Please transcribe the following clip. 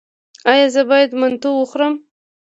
ایا زه باید منتو وخورم؟